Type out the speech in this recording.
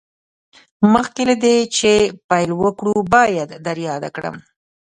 مخکې له دې چې پیل وکړو باید در یاده کړم